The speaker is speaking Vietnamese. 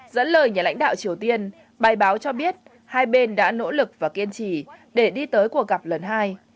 dẫn lời nhà lãnh đạo triều tiên bài báo cho biết hai bên đã nỗ lực và kiên trì để đi tới cuộc gặp lần hai